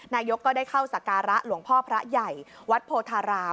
นายกก็ได้เข้าสการะหลวงพ่อพระใหญ่วัดโพธาราม